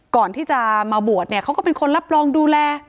ก่อนที่จะมาบวชเนี่ยเขาก็เป็นคนรับรองดูแล